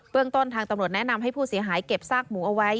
ต้นทางตำรวจแนะนำให้ผู้เสียหายเก็บซากหมูเอาไว้